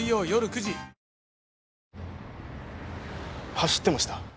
走ってました。